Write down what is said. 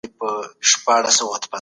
تاسو په ټولنه کې سیاسي پرېکړې پلي کړئ.